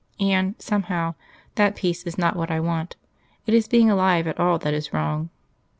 And, somehow, that Peace is not what I want. It is being alive at all that is wrong.